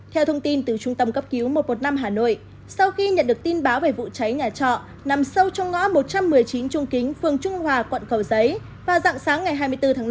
theo thông tin từ trung tâm cấp cứu một trăm một mươi năm hà nội sau khi nhận được tin báo về vụ cháy nhà trọ nằm sâu trong ngõ một trăm một mươi chín trung kính phường trung hòa quận cầu giấy vào dạng sáng ngày hai mươi bốn tháng năm